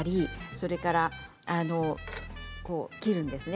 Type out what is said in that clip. それから切るんですね。